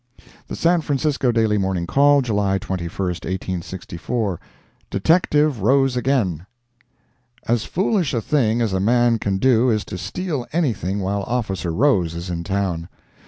The San Francisco Daily Morning Call, July 21, 1864 DETECTIVE ROSE AGAIN As foolish a thing as a man can do is to steal anything while officer Rose is in town.